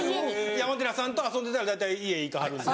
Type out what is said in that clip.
山寺さんと遊んでたら大体家行かはるんで。